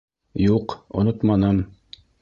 Юҡ, онотманым.